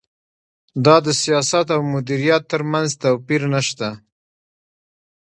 دا د سیاست او مدیریت ترمنځ توپیر نشته.